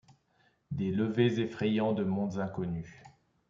Des levers effrayants de mondes inconnus.